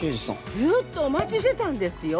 ずっとお待ちしてたんですよ。